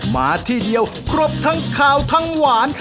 มาที่เดียวครบทั้งขาวทั้งหวาน